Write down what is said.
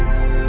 ya udah deh